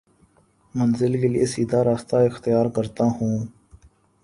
منزل کے لیے سیدھا راستہ اختیار کرتا ہوں